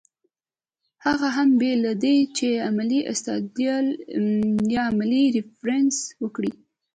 هغه هم بې له دې چې علمي استدلال يا علمي ريفرنس ورکړي